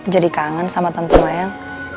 jadi kangen sama tante mayang